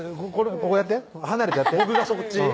ここやって離れてやって僕がそっち？